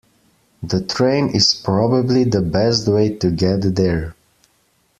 The train is probably the best way to get there.